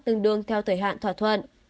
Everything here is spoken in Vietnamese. tương đương theo thời hạn thỏa thuận